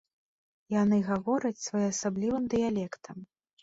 Яны гавораць своеасаблівым дыялектам.